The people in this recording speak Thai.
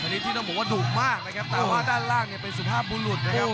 อันนี้ที่ต้องบอกว่าดุมากนะครับแต่ว่าด้านล่างเนี่ยเป็นสุภาพบุรุษนะครับ